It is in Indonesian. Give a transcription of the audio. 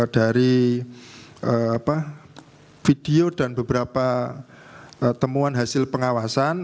dari video dan beberapa temuan hasil pengawasan